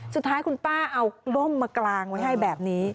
สุดท้ายคุณป้าเอากล้มมากลางไว้ให้แบบนี้